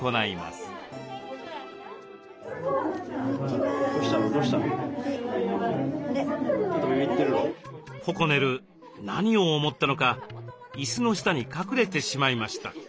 ポコネル何を思ったのか椅子の下に隠れてしまいました。